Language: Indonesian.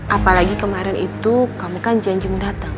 apalagi kemarin itu kamu kan janjimu datang